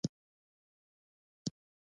د هر بدن برخلیک خاوره ده.